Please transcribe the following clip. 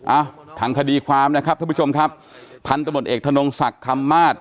อ่ะทางคดีความนะครับท่านผู้ชมครับพันธบทเอกธนงศักดิ์คำมาศ